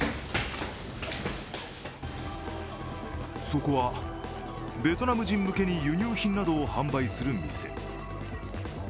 そこはベトナム人向けに輸入品などを販売する店。